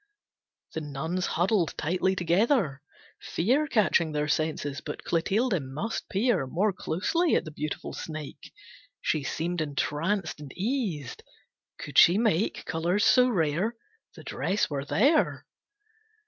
The nuns huddled tightly together, fear Catching their senses. But Clotilde must peer More closely at the beautiful snake, She seemed entranced and eased. Could she make Colours so rare, The dress were there.